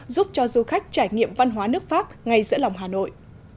giúp cho du khách trải nghiệm văn hóa nước pháp ngay giữa lòng hà nội